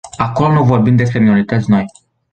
Acolo nu vorbim despre minorități noi.